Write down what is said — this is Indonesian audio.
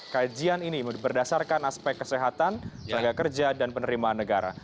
kajian ini berdasarkan aspek kesehatan tenaga kerja dan penerimaan negara